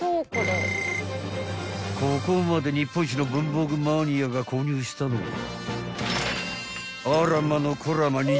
［ここまで日本一の文房具マニアが購入したのはあらまのこらま］